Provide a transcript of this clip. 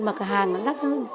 mà cái hàng nó đắt hơn